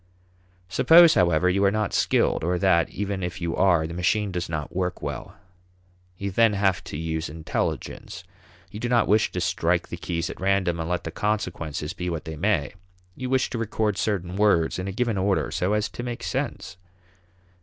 Suppose, however, you are not skilled, or that, even if you are, the machine does not work well. You then have to use intelligence. You do not wish to strike the keys at random and let the consequences be what they may; you wish to record certain words in a given order so as to make sense.